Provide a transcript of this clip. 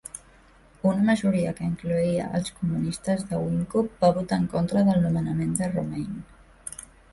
Una majoria que incloïa els comunistes de Wijnkoop va votar en contra del nomenament de Romein.